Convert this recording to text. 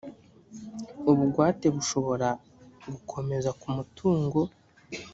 ubugwate bushobora gukomeza ku mutungo